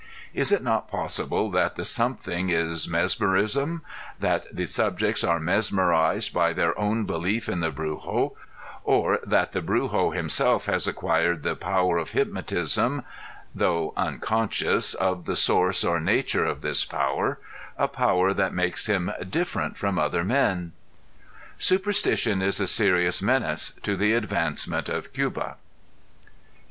Is it not possible that the something, is mesmerism, that the subjects are mesmerized by their own belief in the brujo, or that the brujo himself has acquired the power of hypnotism though unconscious of the source or nature of this power, a "power" that makes him different from other men? Superstition is a serious menace to the advancement of Cuba.